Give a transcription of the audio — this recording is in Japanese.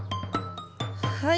はい。